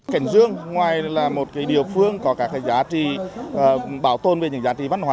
cảnh dương ngoài là một cái địa phương có cả cái giá trị bảo tồn về những giá trị văn hóa